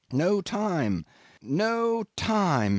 No time! No time!